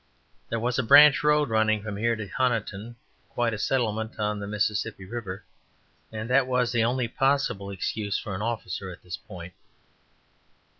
There was a branch road running from here to Honiton, quite a settlement on the Mississippi river, and that was the only possible excuse for an officer at this point.